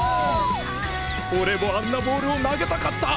俺もあんなボールを投げたかった！